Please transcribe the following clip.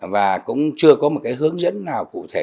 và cũng chưa có hướng dẫn nào cụ thể